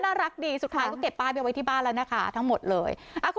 น่ารักดีสุดท้ายก็เก็บป้ายไปไว้ที่บ้านแล้วนะคะทั้งหมดเลย